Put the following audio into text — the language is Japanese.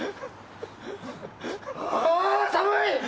ああ、寒い！